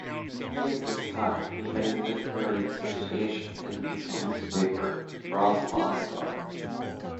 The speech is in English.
During this time, he headed literary association in the regional newspaper "Braslaw star".